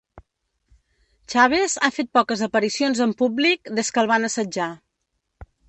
Chaves ha fet poques aparicions en públic des que el van assetjar.